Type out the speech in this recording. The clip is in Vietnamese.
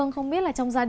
năm con gà